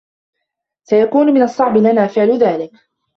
سيكون من الصعب لنا فعل ذلك.